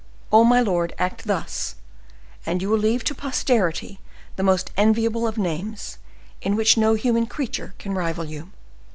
Oh, my lord, act thus, and you will leave to posterity the most enviable of names, in which no human creature can rival you.